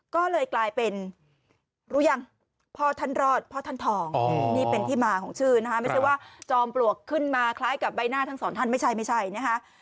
ก็เลยกลายเป็นรู้ยังพ่อท่านรอดพ่อท่านทองนี่เป็นที่มาของชื่อนะคะไม่ใช่ว่าจอมปลวกขึ้นมาคล้ายกับใบหน้าทั้งสองท่านไม่ใช่ไม่ใช่นะคะ